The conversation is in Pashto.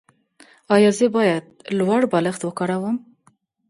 ایا زه باید لوړ بالښت وکاروم؟